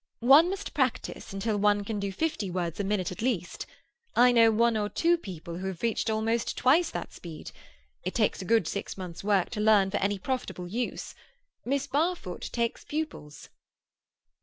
"One must practise until one can do fifty words a minute at least. I know one or two people who have reached almost twice that speed. It takes a good six months' work to learn for any profitable use. Miss Barfoot takes pupils."